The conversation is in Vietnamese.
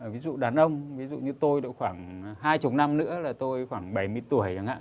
ví dụ đàn ông ví dụ như tôi độ khoảng hai mươi năm nữa là tôi khoảng bảy mươi tuổi chẳng hạn